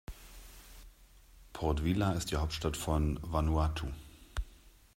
Port Vila ist die Hauptstadt von Vanuatu.